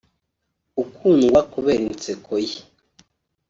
ukundwa kubera inseko ye